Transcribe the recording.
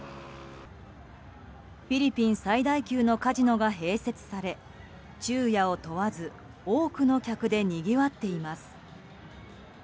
フィリピン最大級のカジノが併設され昼夜を問わず多くの客でにぎわっています。